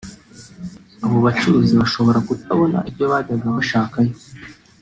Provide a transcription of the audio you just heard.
abo bacuruzi bashobora kutabona ibyo bajyaga gushakayo